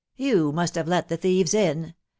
... You must have let the thieves in ...